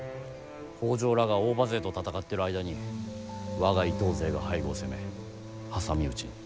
北条らが大庭勢と戦ってる間に我が伊東勢が背後を攻め挟み撃ちに。